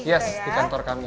yes di kantor kami